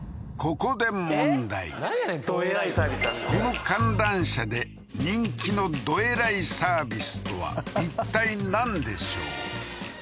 この観覧車で人気のどえらいサービスとはいったいなんでしょう？